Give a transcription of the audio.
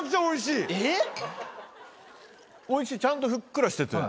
おいしいちゃんとふっくらしてて。